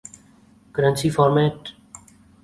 currency format